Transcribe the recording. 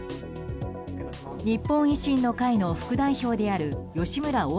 日本維新の会の副代表である吉村